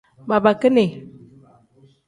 Babakini.